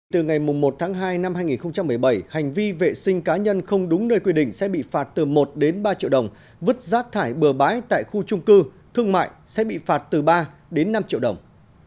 từ ngày một tháng hai năm hai nghìn một mươi bảy hành vi vệ sinh cá nhân không đúng nơi quy định sẽ bị phạt từ một đến ba triệu đồng vứt rác thải bừa bãi tại khu trung cư thương mại sẽ bị phạt từ ba đến năm triệu đồng